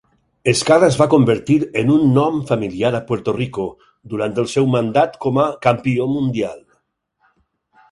Escala es va convertir en un nom familiar a Puerto Rico durant el seu mandat com a campió mundial.